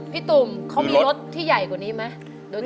พี่ตุ๋มเขามีรถที่ใหญ่กว่านี้ไหมโดยธรรมชาติ